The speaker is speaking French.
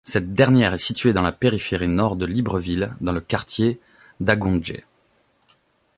Cette dernière est située dans la périphérie nord de Libreville, dans le quartier d'Angondjé.